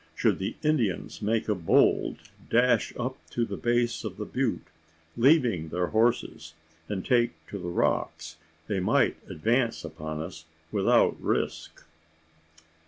Should the Indians make a bold, dash up to the base of the butte, leave their horses, and take to the rocks, they might advance upon us without risk.